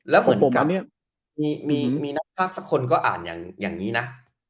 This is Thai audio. แล้วผมเนี่ยมีนักภาคสักคนก็อ่านอย่างนี้นะ